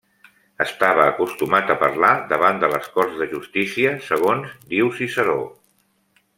Estava acostumat a parlar davant de les corts de justícia, segons diu Ciceró.